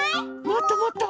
もっともっと。